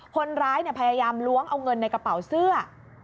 คนร้ายพยายามล้วงเอาเงินในกระเป๋าเสื้อ